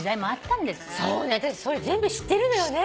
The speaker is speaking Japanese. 私それ全部知ってるのよね。